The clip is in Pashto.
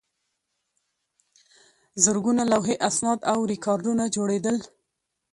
زرګونه لوحې، اسناد او ریکارډونه جوړېدل.